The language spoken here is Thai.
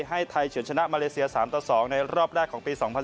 ให้ไทยเฉินชนะมาเลเซีย๓ต่อ๒ในรอบแรกของปี๒๐๑๖